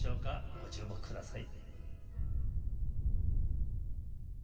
ご注目ください。